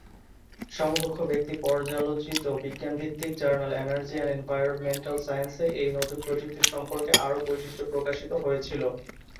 সমকক্ষ ব্যক্তি-পর্যালোচিত বিজ্ঞান ভিত্তিক জার্নাল "এনার্জি এন্ড এনভায়রনমেন্টাল সায়েন্সে এই" নতুন প্রযুক্তি সম্পর্কে আরও বৈশিষ্ট্য প্রকাশিত হয়েছিল।